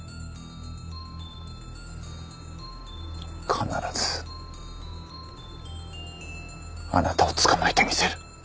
必ずあなたを捕まえてみせる。